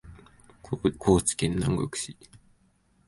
高知県南国市